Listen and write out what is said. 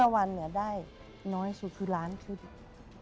๑๕วันเนี่ยได้น้อยสูงคือล้านคือเด็ก